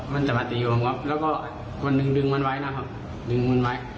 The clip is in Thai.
มันจะมาตีผมครับแล้วก็คนหนึ่งดึงมันไว้นะครับดึงมันไว้